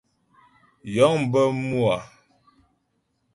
Yəŋ bə mû a.